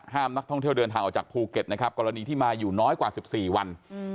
นักท่องเที่ยวเดินทางออกจากภูเก็ตนะครับกรณีที่มาอยู่น้อยกว่า๑๔วัน